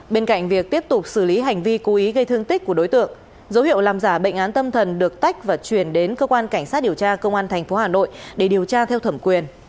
bên cạnh việc tiếp tục xử lý hành vi cố ý gây thương tích của đối tượng dấu hiệu làm giả bệnh án tâm thần được tách và chuyển đến cơ quan cảnh sát điều tra công an tp hà nội để điều tra theo thẩm quyền